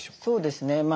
そうですね